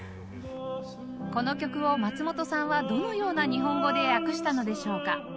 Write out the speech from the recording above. この曲を松本さんはどのような日本語で訳したのでしょうか？